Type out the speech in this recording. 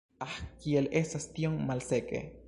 Ah, kiel estas tiom malseke!